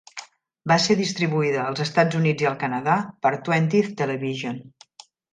Va ser distribuïda als Estats Units i al Canadà per Twentieth Television.